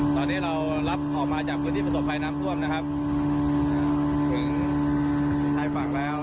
ตอนนี้เรารับออกมาจากพื้นที่ประสบภัยน้ำท่วมนะครับ